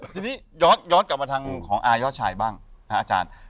ทีนี้ย้อนกลับมาทางของอายอดชายบ้างอาจารย์